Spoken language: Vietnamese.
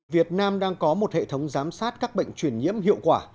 việt nam đang có một hệ thống giám sát các bệnh truyền nhiễm hiệu quả